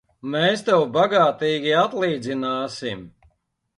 Mēs tev bagātīgi atlīdzināsim!